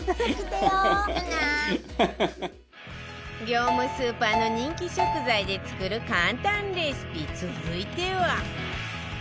業務スーパーの人気食材で作る簡単レシピ続いては